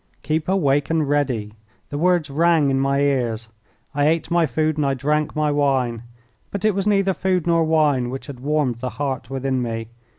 "Keep awake and ready!" The words rang in my ears. I ate my food and I drank my wine, but it was neither food nor wine which had warmed the heart within me.